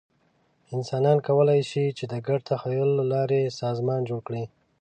انسانان کولی شي، چې د ګډ تخیل له لارې سازمان جوړ کړي.